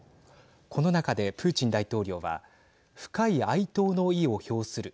この中で、プーチン大統領は深い哀悼の意を表する。